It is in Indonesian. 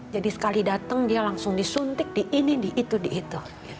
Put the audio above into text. jadi sekali datang dia langsung disuntik di ini di itu di itu